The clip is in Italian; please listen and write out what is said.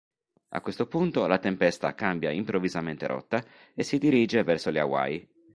A questo punto, la tempesta cambia improvvisamente rotta e si dirige verso le Hawaii.